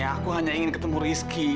aku hanya ingin ketemu rizky